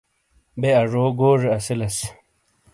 بے اجو گوجے اسیلیس۔